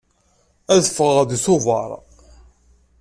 Ad ffɣeɣ deg Tubeṛ.